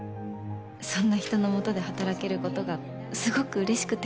そんな人の下で働けることがすごくうれしくて。